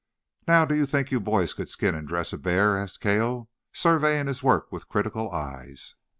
"Now, do you think you boys could skin and dress a bear?" asked Cale, surveying his work with critical eyes.